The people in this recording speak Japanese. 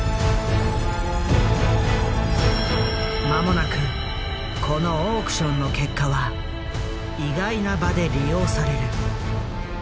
間もなくこのオークションの結果は意外な場で利用される。